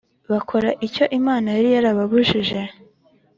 bakoze icyo imana yari yarababujije.